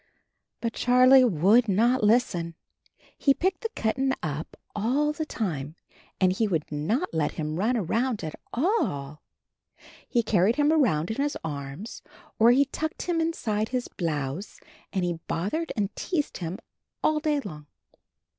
But Charlie would not hsten. He picked the kitten up all the time and he would not let him run around at all. He carried him around in his arms or he tucked him inside his blouse, and he bothered and teased him all day long.